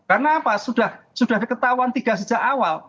karena apa sudah ada ketahuan tiga sejak awal